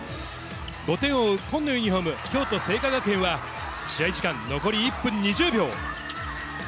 ５点を追う紺のユニホーム、京都精華学園は、試合時間残り１分２０秒。